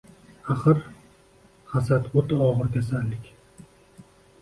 Axir hasadoʻta ogʻir kasallik